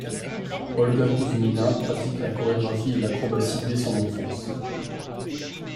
Olga Kouzmina pratique la chorégraphie et l'acrobatie dès son enfance.